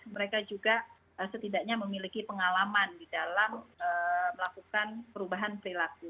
mereka juga setidaknya memiliki pengalaman di dalam melakukan perubahan perilaku